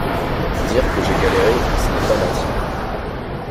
Dire que j’ai galéré, ce n’est pas mentir.